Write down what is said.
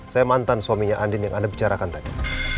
saya mantan suaminya andin yang anda bicarakan tadi